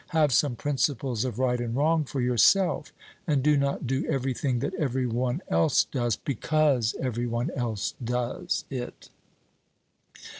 Have some principles of right and wrong for yourself, and do not do every thing that every one else does, because every one else does it.